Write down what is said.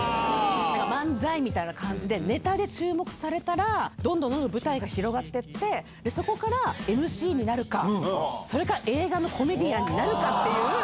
漫才みたいな感じで、ネタで注目されたら、どんどんどんどん舞台が広がってって、そこからＭＣになるか、それか映画のコメディアンになるかっていう。